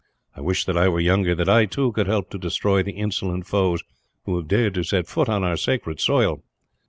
I wish that I were younger, that I, too, could help to destroy the insolent foes who have dared to set foot on our sacred soil."